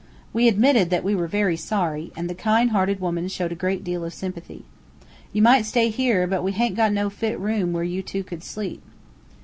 We admitted that we were also very sorry, and the kind hearted woman showed a great deal of sympathy. "You might stay here, but we haint got no fit room where you two could sleep."